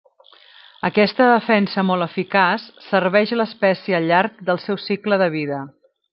Aquesta defensa molt eficaç serveix l'espècie al llarg del seu cicle de vida.